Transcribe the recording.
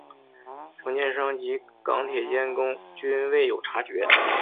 承建商及港铁监工均未有察觉。